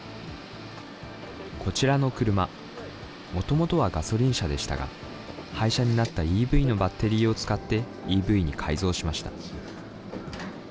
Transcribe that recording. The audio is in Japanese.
こちらの車、もともとはガソリン車でしたが、廃車になったＥＶのバッテリーを使って、ＥＶに改造しました。